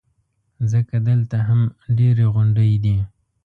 ځکه دلته هم ډېرې غونډۍ دي.